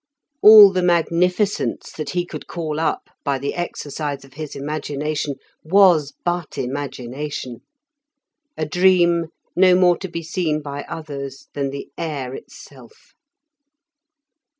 All the magnificence that he could call up by the exercise of his imagination, was but imagination; a dream no more to be seen by others than the air itself.